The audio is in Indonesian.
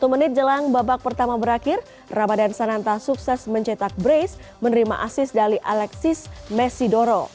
satu menit jelang babak pertama berakhir ramadan sananta sukses mencetak brace menerima asis dari alexis messidoro